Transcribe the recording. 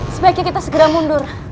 sebaiknya kita segera mundur